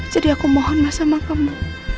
jadi aku mohon mas sama kamu